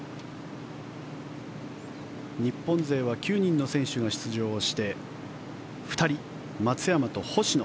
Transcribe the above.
日本勢は９人の選手が出場して２人、松山と星野。